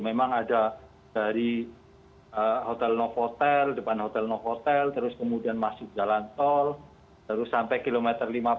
memang ada dari hotel novo hotel depan hotel no hotel terus kemudian masuk jalan tol terus sampai kilometer lima puluh